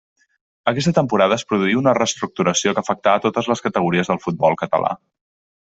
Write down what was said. Aquesta temporada es produí una reestructuració que afectà a totes les categories del futbol català.